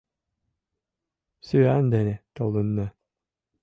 Сӱан дене толынна.